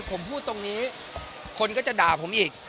ผมพูดตรงนี้คนก็จะด่าผมอีก